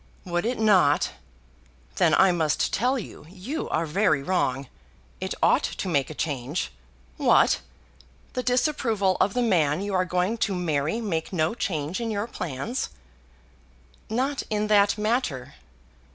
"Would it not? Then I must tell you, you are very wrong. It ought to make a change. What! the disapproval of the man you are going to marry make no change in your plans?" "Not in that matter.